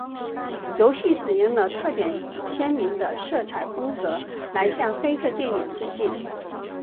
游戏使用了特点鲜明的色彩风格来向黑色电影致敬。